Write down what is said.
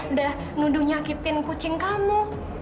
udah nunduh nyakitin kucing kamu